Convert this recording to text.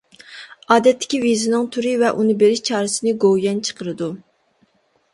ئادەتتىكى ۋىزىنىڭ تۈرى ۋە ئۇنى بېرىش چارىسىنى گوۋۇيۈەن چىقىرىدۇ.